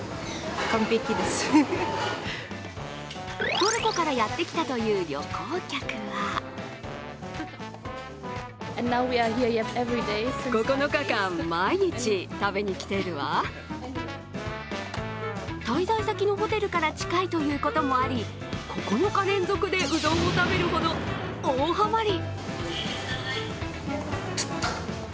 トルコからやってきたという旅行客は滞在先のホテルから近いということもあり、９日連続でうどんを食べるほど大ハマり。